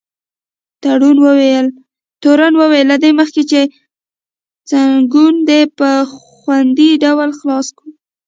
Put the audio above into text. تورن وویل: له دې مخکې چې ځنګون دې په خوندي ډول خلاص کړو.